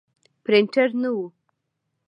پرنټر نه و.